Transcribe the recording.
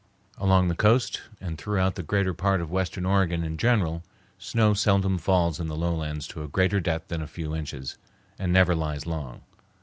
Along the coast and throughout the greater part of western Oregon in general, snow seldom falls on the lowlands to a greater depth than a few inches, and never lies long.